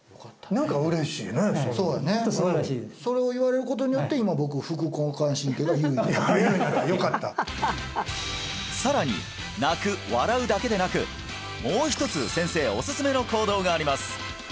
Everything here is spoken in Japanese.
何か嬉しいねそうやねそれを言われることによって今僕よかったさらに泣く笑うだけでなくもう一つ先生おすすめの行動があります